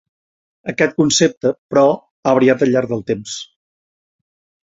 Aquest concepte, però, ha variat al llarg del temps.